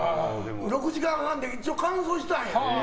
６時間半で一応完走したんよ。